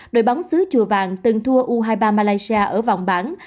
đội bóng xứ chùa vàng từng thua u hai mươi ba malaysia ở vòng bảng